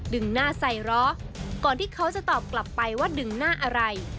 หน้าใส่ล้อก่อนที่เขาจะตอบกลับไปว่าดึงหน้าอะไร